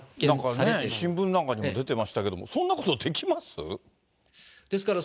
なんか新聞なんかにも出てましたけど、そんなことできます？